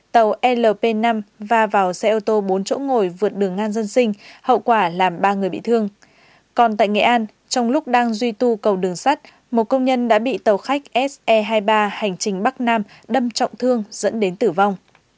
trong lúc đang duy tu cầu đường sắt một công nhân đã bị tàu khách se hai mươi ba hành trình bắc nam đâm trọng thương dẫn đến tử vong